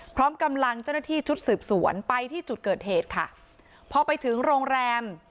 พร้อมกำลังเจ้าหน้าที่ชุดสืบสวนไปที่จุดเกิดเหตุค่ะพอไปถึงโรงแรม